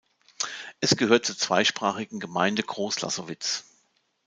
Es gehört zur zweisprachigen Gemeinde Gross Lassowitz.